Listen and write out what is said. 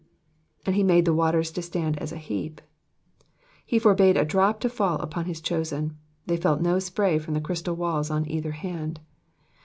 ''^And he made the wate7*s to stand as an heap,'*^ He forbade a drop to fall upon his chosen, they felt no spray from the crystal walls on cither hand.